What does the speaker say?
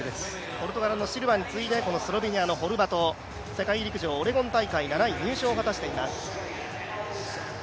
ポルトガルのシルバに次いで世界陸上オレゴン大会、７位入賞を果たしています。